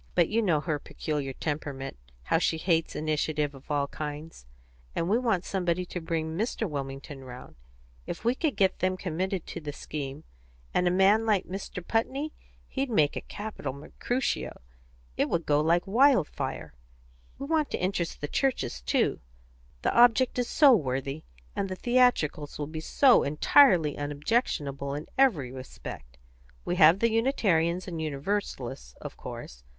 But you know her peculiar temperament how she hates initiative of all kinds; and we want somebody to bring Mr. Wilmington round. If we could get them committed to the scheme, and a man like Mr. Putney he'd make a capital Mercutio it would go like wildfire. We want to interest the churches, too. The object is so worthy, and the theatricals will be so entirely unobjectionable in every respect. We have the Unitarians and Universalists, of course.